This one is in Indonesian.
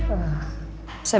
emang bener bu